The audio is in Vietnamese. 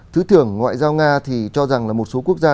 thứ trưởng ngoại giao nga thì cho rằng là một số quốc gia